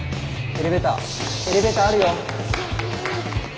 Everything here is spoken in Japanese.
エレベーターあるよ。